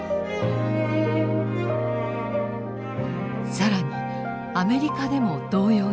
更にアメリカでも同様に調査。